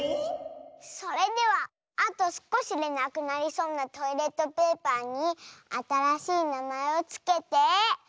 それではあとすこしでなくなりそうなトイレットペーパーにあたらしいなまえをつけて。